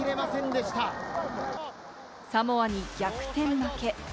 サモアに逆転負け。